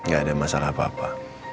gak ada masalah apa apa